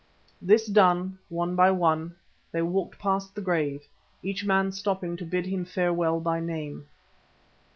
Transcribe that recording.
This done, one by one, they walked past the grave, each man stopping to bid him farewell by name.